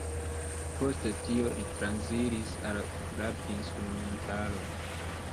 Post tio li transiris al frapinstrumentaro.